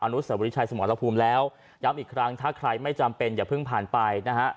นุสวรีชัยสมรภูมิแล้วย้ำอีกครั้งถ้าใครไม่จำเป็นอย่าเพิ่งผ่านไปนะฮะ